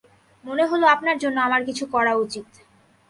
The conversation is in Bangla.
মনে হলো আপনার জন্য আমার কিছু করা উচিত।